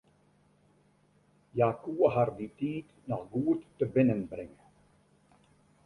Hja koe har dy tiid noch goed tebinnenbringe.